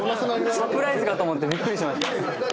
サプライズかと思ってびっくりしました。